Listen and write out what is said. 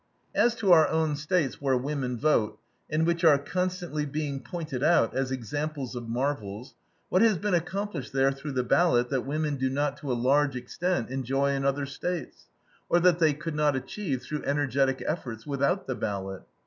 As to our own States where women vote, and which are constantly being pointed out as examples of marvels, what has been accomplished there through the ballot that women do not to a large extent enjoy in other States; or that they could not achieve through energetic efforts without the ballot?